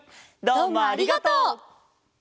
どうもありがとう！